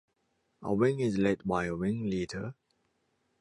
A Wing is led by a Wingleader.